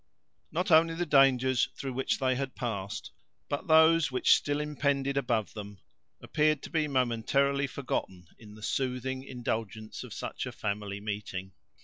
Not only the dangers through which they had passed, but those which still impended above them, appeared to be momentarily forgotten, in the soothing indulgence of such a family meeting.